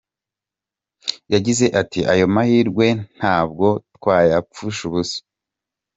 Yagize ati:“Ayo mahirwe ntabwo twayapfusha ubusa.